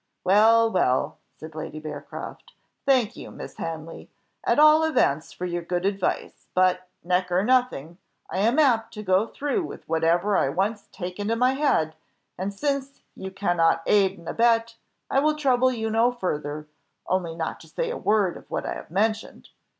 "Well, well!" said Lady Bearcroft, "thank you, Miss Hanley, at all events for your good advice. But, neck or nothing, I am apt to go through with whatever I once take into my head, and, since you cannot aid and abet, I will trouble you no further, only not to say a word of what I have mentioned.